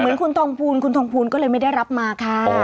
คุณทองภูลคุณทองภูลก็เลยไม่ได้รับมาค่ะ